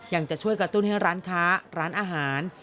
จะช่วยกระตุ้นให้ร้านค้าร้านอาหาร